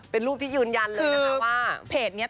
เป็นรูปที่ยืนยันเลยนะคะว่า